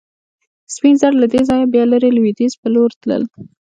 سپین زر له دې ځایه بیا لرې لوېدیځ په لور تلل.